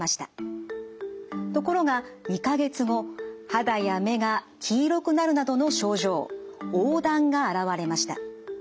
ところが２か月後肌や目が黄色くなるなどの症状黄疸が現れました。